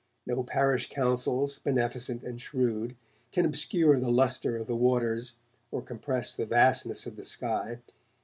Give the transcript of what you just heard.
No parish councils, beneficent and shrewd, can obscure the lustre of the waters or compress the vastness of the sky.